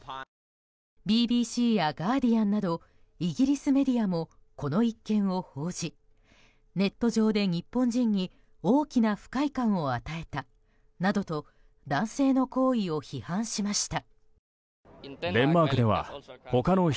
ＢＢＣやガーディアンなどイギリスメディアもこの一件を報じネット上で日本人に大きな不快感を与えたなどと男性の行為を批判しました。